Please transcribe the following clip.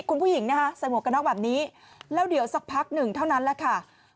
คุณผู้หญิงนะคะใส่หมวกกระน็อกแบบนี้แล้วเดี๋ยวสักพักหนึ่งเท่านั้นแหละค่ะ